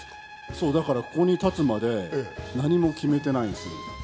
そう、だからここに立つまで、何も決めてないんすよ。